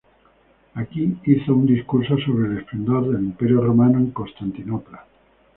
Aquí hizo un discurso sobre el esplendor del Imperio romano en Constantinopla.